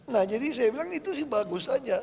nah jadi saya bilang itu sih bagus saja